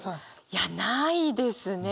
いやないですね。